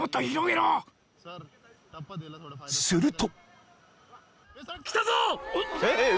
［すると］